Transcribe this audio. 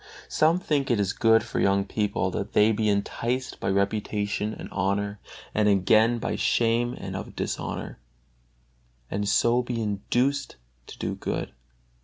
Some think it is good for young people that they be enticed by reputation and honor, and again by shame of and dishonor, and so be induced to do good.